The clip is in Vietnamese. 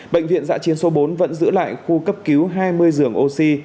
bệnh viện giã chiến số bốn vẫn giữ lại khu cấp cứu hai mươi giường oxy